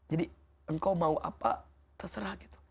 jadi engkau mau apa terserah